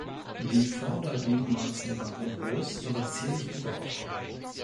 Die Vordergliedmaßen waren groß, aber zierlich gebaut.